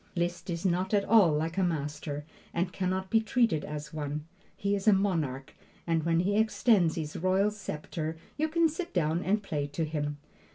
Liszt is not at all like a master, and can not be treated as one. He is a monarch, and when he extends his royal scepter you can sit down and play to him.